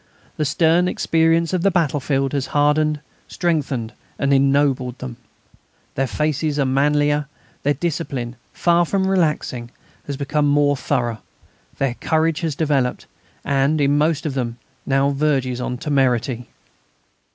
The stern experience of the battlefield has hardened, strengthened and ennobled them. Their faces are manlier; their discipline, far from relaxing, has become more thorough; their courage has developed, and, in most of them, now verges on temerity.